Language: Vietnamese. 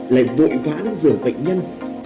lại vội vã đến giữa bệnh nhân